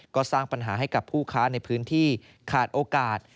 ก็สร้างปัญหาให้กับผู้ค้าในพื้นที่ขาดโอกาส